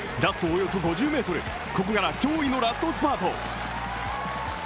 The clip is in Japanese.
およそ５０ｍ、ここから驚異のラストスパート。